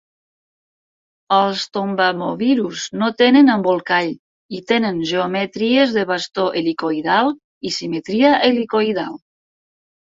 Els tobamovirus no tenen embolcall i tenen geometries de bastó helicoïdal i simetria helicoïdal.